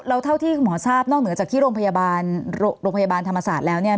แล้วเท่าที่คุณหมอทราบนอกเหนือจากที่โรงพยาบาลโรงพยาบาลธรรมศาสตร์แล้วเนี่ย